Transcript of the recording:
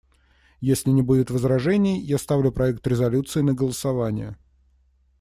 Если не будет возражений, я ставлю проект резолюции на голосование.